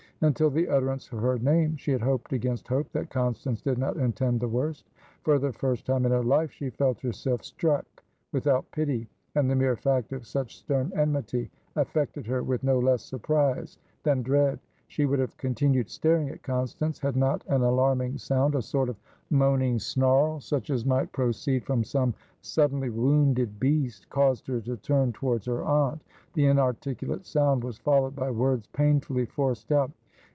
Until the utterance of her name, she had hoped against hope that Constance did not intend the worst. For the first time in her life, she felt herself struck without pity, and the mere fact of such stern enmity affected her with no less surprise than dread. She would have continued staring at Constance, had not an alarming sound, a sort of moaning snarl, such as might proceed from some suddenly wounded beast, caused her to turn towards her aunt. The inarticulate sound was followed by words painfully forced out.